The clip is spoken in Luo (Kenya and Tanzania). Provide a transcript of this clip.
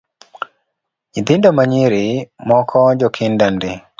Nyithindo manyiri moko jokinda ndi